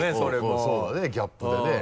うんそうだねギャップでね。